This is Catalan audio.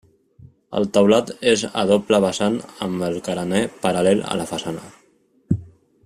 El teulat és a doble vessant amb el carener paral·lel a la façana.